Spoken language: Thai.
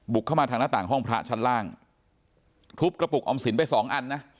เข้ามาทางหน้าต่างห้องพระชั้นล่างทุบกระปุกออมสินไปสองอันนะ